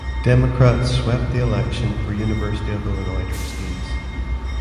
Democrats swept the election for University of Illinois trustees.